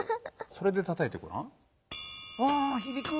それでたたいてごらん。わひびく。